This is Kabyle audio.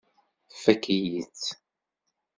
Tfakk-iyi-tt.